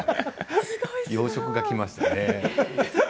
洋食がきましたね。